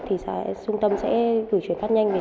thì trung tâm sẽ